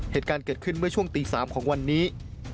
เหตุการณ์เกิดขึ้นเมื่อช่วงตี๓ของวันนี้